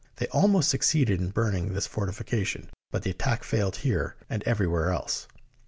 They almost succeeded in burn ing this fortification, but the attack failed here and everywhere else.